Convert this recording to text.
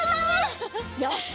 よし！